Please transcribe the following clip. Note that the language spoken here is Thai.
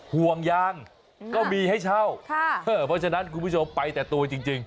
ห่วงยางก็มีให้เช่าเพราะฉะนั้นคุณผู้ชมไปแต่ตัวจริง